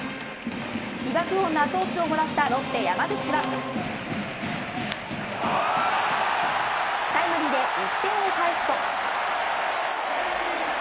美爆音の後押しをもらったロッテ山口はタイムリーで１点を返すと。